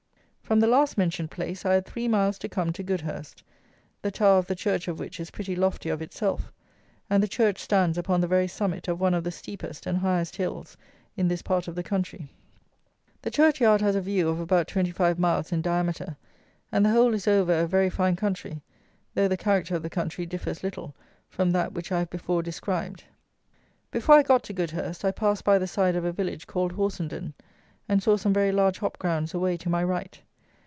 From the last mentioned place I had three miles to come to Goudhurst, the tower of the church of which is pretty lofty of itself, and the church stands upon the very summit of one of the steepest and highest hills in this part of the country. The church yard has a view of about twenty five miles in diameter; and the whole is over a very fine country, though the character of the country differs little from that which I have before described. Before I got to Goudhurst, I passed by the side of a village called Horsenden, and saw some very large hop grounds away to my right.